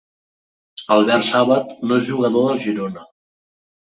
Albert Sàbat no és jugador del Girona.